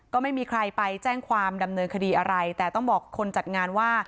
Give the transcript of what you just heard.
ก็ไม่มีใครไปแจ้งความดำเนินคดีอะไรแต่ต้องบอกคนจัดงานว่า